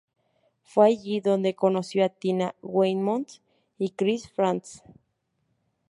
Fue allí dónde conoció a Tina Weymouth y Chris Frantz.